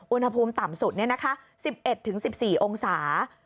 อุณหภูมิต่ำสุด๑๑๑๔องศา